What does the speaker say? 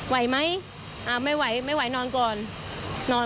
ไหวไหมอ้าวไม่ไหวนอนก่อน